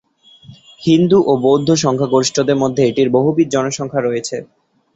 হিন্দু ও বৌদ্ধ সংখ্যাগরিষ্ঠের মধ্যে এটির বহুবিধ জনসংখ্যা রয়েছে।